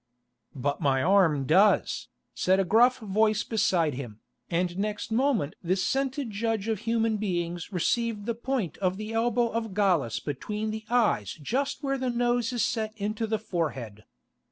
"But my arm does," said a gruff voice beside him, and next moment this scented judge of human beings received the point of the elbow of Gallus between the eyes just where the nose is set into the forehead.